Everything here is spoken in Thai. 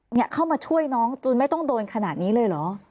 เนี่ยเข้ามาช่วยน้องจนไม่ต้องโดนขนาดนี้เลยเหรอ